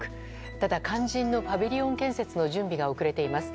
ただ、肝心のパビリオン建設の準備が遅れています。